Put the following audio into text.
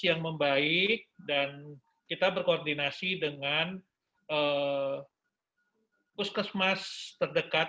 yang membaik dan kita berkoordinasi dengan puskesmas terdekat